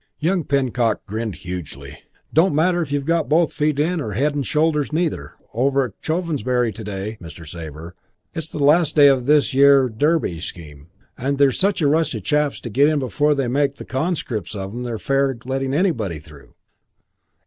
Young Pinnock grinned hugely. "Don't matter if you've got both feet in, or head and shoulders neither, over at Chovensbury to day, Mr. Sabre. It's the last day of this yer Derby scheme, an' there's such a rush of chaps to get in before they make conscripts of 'em they're fair letting anybody through."